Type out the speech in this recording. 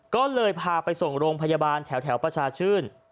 ก็เลยพาไปส่งโรงพยาบาลแถวประชาชื่น